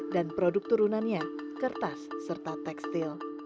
dan produk turunannya kertas serta tekstil